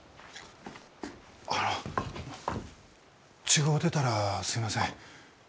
あの違うてたらすいません。